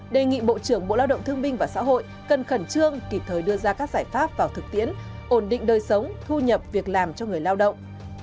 đề nghị bộ trưởng bộ lao động thương binh và xã hội cần khẩn trương kịp thời đưa ra các giải pháp vào thực tiễn ổn định đời sống thu nhập việc làm cho người lao động